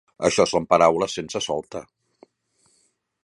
Això són paraules sense solta.